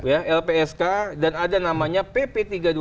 ya lpsk dan ada namanya pp tiga dua ribu sebelas